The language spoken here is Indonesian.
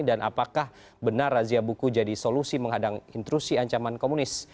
dan apakah benar razia buku jadi solusi menghadang intrusi ancaman komunis